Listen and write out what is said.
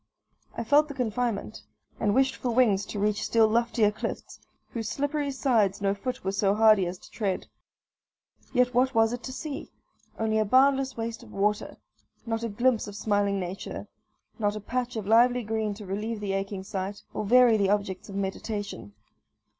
I felt the confinement, and wished for wings to reach still loftier cliffs, whose slippery sides no foot was so hardy as to tread. Yet what was it to see? only a boundless waste of water not a glimpse of smiling nature not a patch of lively green to relieve the aching sight, or vary the objects of meditation.